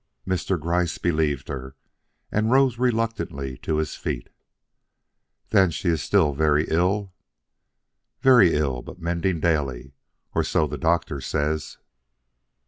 Mr. Gryce believed her and rose reluctantly to his feet. "Then she is still very ill?" "Very ill, but mending daily; or so the doctor says."